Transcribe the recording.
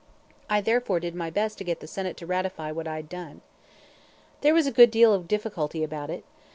I therefore did my best to get the Senate to ratify what I had done. There was a good deal of difficulty about it.